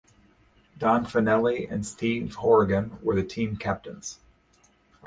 Don Fanelli and Steve Horrigan were the team captains.